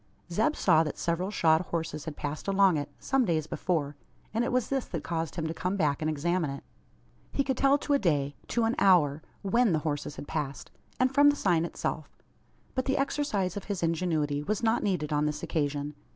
Zeb saw that several shod horses had passed along it, some days before: and it was this that caused him to come back and examine it. He could tell to a day to an hour when the horses had passed; and from the sign itself. But the exercise of his ingenuity was not needed on this occasion.